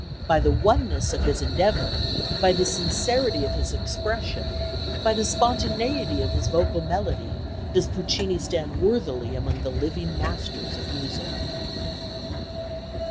By the oneness of his endeavour, by the sincerity of his expression, by the spontaneity of his vocal melody, does Puccini stand worthily among the living masters of music.